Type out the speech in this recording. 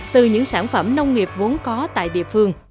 từ những sản phẩm nông nghiệp vốn có tại địa phương